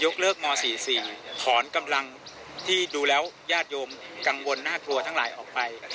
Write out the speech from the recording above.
เลิกม๔๔ถอนกำลังที่ดูแล้วญาติโยมกังวลน่ากลัวทั้งหลายออกไป